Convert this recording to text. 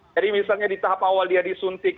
jadi misalnya di tahap awal dia disuntik